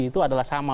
itu adalah sama